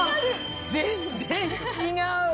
全然違う！